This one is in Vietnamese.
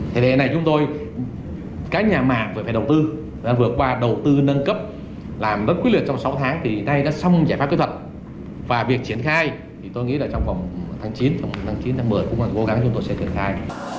thế này chúng tôi cái nhà mạng phải đầu tư phải vượt qua đầu tư nâng cấp làm bất quyết liệt trong sáu tháng thì nay đã xong giải pháp kế hoạch và việc triển khai tôi nghĩ là trong vòng tháng chín tháng chín tháng một mươi cũng là cố gắng chúng tôi sẽ triển khai